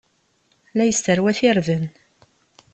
La yesserwat irden.